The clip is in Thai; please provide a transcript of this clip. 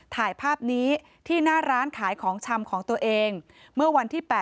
ถ่ายภาพนี้ที่หน้าร้านขายของชำของตัวเอง